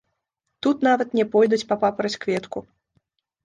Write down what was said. Тут нават не пойдуць па папараць-кветку.